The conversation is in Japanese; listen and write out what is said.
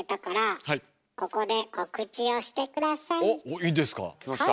いいんですか？